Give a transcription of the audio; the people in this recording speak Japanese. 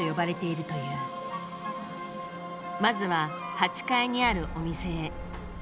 まずは８階にあるお店へ。